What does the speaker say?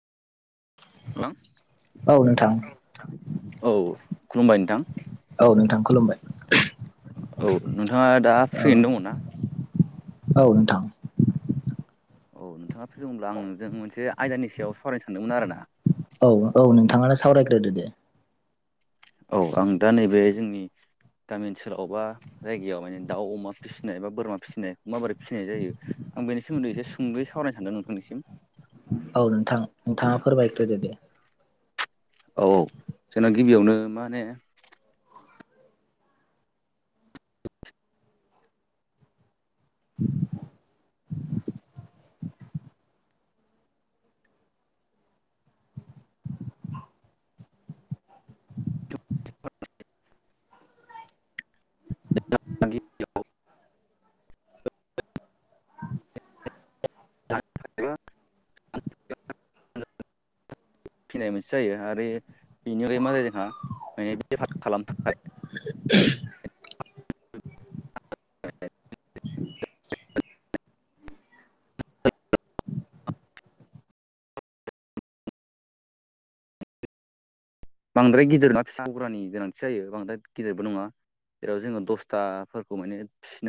औ हेल' नोंथां औ खुलुमबाय नोंथां। औ नोंथां खुलुमबाय। औ नोंथाङा दा फ्रियैनो औ दङना? औ नोंथां औ नोंथाङा फ्रिदोंब्ला आं नोंजों मोनसे आयदानि सायाव सावरायनो सानदोंमोन आरो ना। औ औ नोंथाङानो सावरायग्रोदो दे। औ आं दा नैबे जोंनि गामि ओनसोलाव बा जायगायाव माने दाउ अमा फिसिनाय बा बोरमा फिसिनाय माबोरै फिसिनाय जायो आं बेनि सोमोन्दै एसे सुंदयै सावरायनो सानदों नोंथांनिसिम? औ नोंथां नोंथाङा फोरमायग्रोदो दे ‌। औ औ जोंना गिबियावनो मा होनो? [inaudible] [unintelligible] [unintelligible] फिनाय मोनसे जायो आरो बेनिफ्राय मा जायो जोंहा माने बेफार खालामनो थाखाय [inaudible] [unintelligible] [unintelligible] बांद्राय गिदिर नङा फिसा हानि गोनांथि जायो बांद्राय गिदिरबो नङा जेराव जोङो दसथाफोरखौ माने फिसिनाय